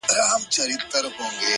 د تجربې ارزښت له عمله معلومېږي؛